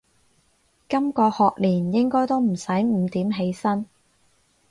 今個學年應該都唔使五點起身